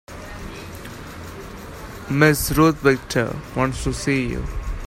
Mrs. Ruth Victor wants to see you.